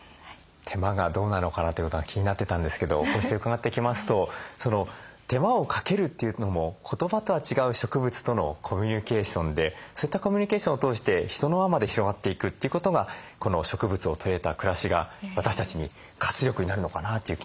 手間がどうなのかなということが気になってたんですけどこうして伺ってきますと手間をかけるというのも言葉とは違う植物とのコミュニケーションでそういったコミュニケーションを通して人の輪まで広がっていくっていうことがこの植物を取り入れた暮らしが私たちに活力になるのかなという気がしましたね。